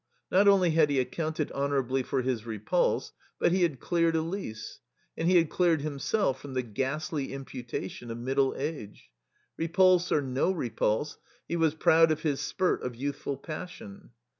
Not only had he accounted honourably for his repulse, but he had cleared Elise. And he had cleared himself from the ghastly imputation of middle age. Repulse or no repulse, he was proud of his spurt of youthful passion.